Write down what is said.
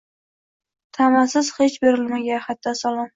Tamasiz hech berilmagay hatto salom.